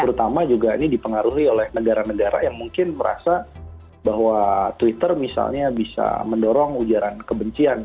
terutama juga ini dipengaruhi oleh negara negara yang mungkin merasa bahwa twitter misalnya bisa mendorong ujaran kebencian